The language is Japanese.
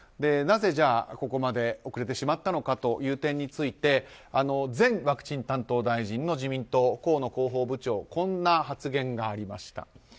なぜここまで遅れてしまったのかという点前ワクチン担当大臣の自民党、河野広報部長こんな発言がありました。